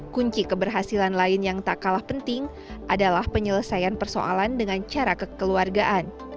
kunci keberhasilan lain yang tak kalah penting adalah penyelesaian persoalan dengan cara kekeluargaan